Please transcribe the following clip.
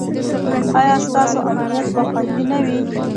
ایا ستاسو امنیت به خوندي نه وي؟